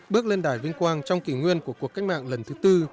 bước lên đài vinh quang trong kỷ nguyên của cuộc cách mạng lần thứ tư